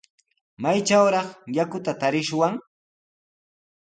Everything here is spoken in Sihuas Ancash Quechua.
¿Maytrawraq yakuta tarishwan?